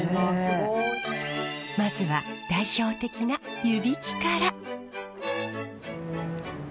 まずは代表的な湯引きから。